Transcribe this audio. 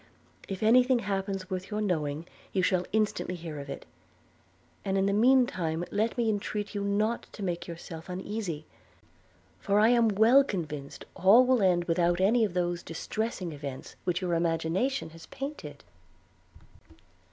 If any thing happens worth your knowing, you shall instantly hear of it: and in the mean time let me entreat you not to make yourself uneasy; for I am well convinced all will end without any of those distressing events which your imagination has painted.'